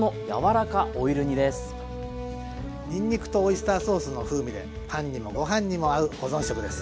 にんにくとオイスターソースの風味でパンにもご飯にも合う保存食です。